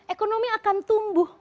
ekonomi akan tumbuh